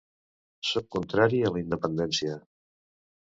Soc contrari a la independència.